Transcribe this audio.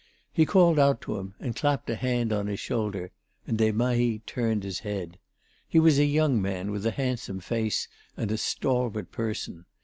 He called out to him and clapped a hand on his shoulder, and Desmahis turned his head. He was a young man with a handsome face and a stalwart person.